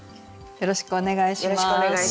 よろしくお願いします。